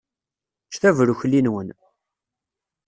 Ččet abrukli-nwen!